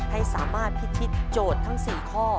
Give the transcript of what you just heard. ให้สามารถพิชิตโจทย์ทั้ง๔ข้อ